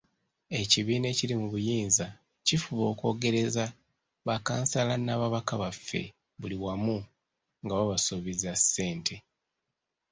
Ekibiina ekiri mu buyinza kifuba okwogereza bakkansala n'ababaka baffe buli wamu nga babasuubiza ssente.